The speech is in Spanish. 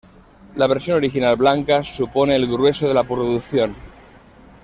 La versión original blanca supone el grueso de la producción.